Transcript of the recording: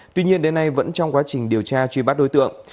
tuy nhiên đến nay vẫn trong quá trình điều tra truy bắt đối tượng